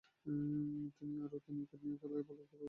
তিনি আরও তিন উইকেট নিয়ে খেলায় সেরা বোলিং পরিসংখ্যান দাঁড় করান।